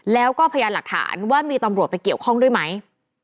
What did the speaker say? แล้วก็พยานหลักฐานว่ามีตำรวจไปเกี่ยวข้องด้วยไหม